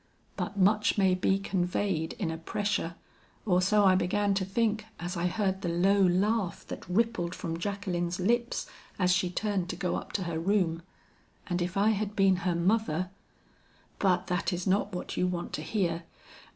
"But much may be conveyed in a pressure, or so I began to think as I heard the low laugh that rippled from Jacqueline's lips as she turned to go up to her room; and if I had been her mother "But that is not what you want to hear.